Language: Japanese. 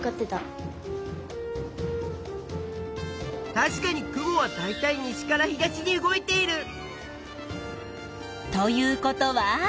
たしかに雲はだいたい西から東に動いている！ということは？